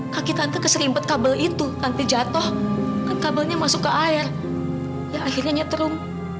kaki tante keserimpet kabel itu tanpa jatuh kabelnya masuk ke air ya akhirnya nyetrum